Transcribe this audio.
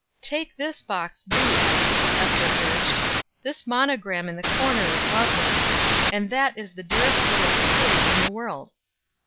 "Take this box; do, Abbie," Ester urged. "This monogram in the corner is lovely, and that is the dearest little sprig in the world."